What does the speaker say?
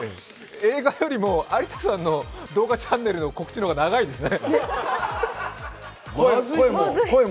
映画よりも有田さんの動画チャンネルの告知の方が長いですね。